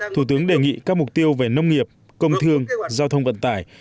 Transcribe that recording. thủ tướng đề nghị các mục tiêu về nông nghiệp công thương giao thông vận tải